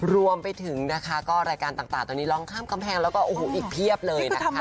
รวมไปถึงนะคะก็รายการต่างตอนนี้ร้องข้ามกำแพงแล้วก็โอ้โหอีกเพียบเลยนะคะ